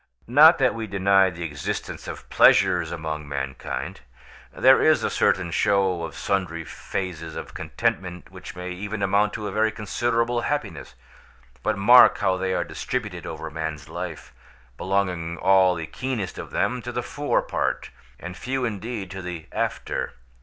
"Not that we deny the existence of pleasures among mankind; there is a certain show of sundry phases of contentment which may even amount to very considerable happiness; but mark how they are distributed over a man's life, belonging, all the keenest of them, to the fore part, and few indeed to the after.